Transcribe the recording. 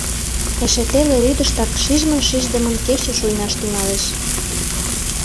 Эше теле рӱдыштак шижмын-шиждымын кече шуйнаш тӱҥалеш.